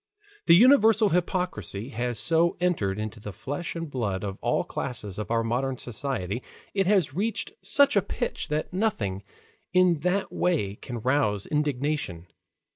The universal hypocrisy has so entered into the flesh and blood of all classes of our modern society, it has reached such a pitch that nothing in that way can rouse indignation.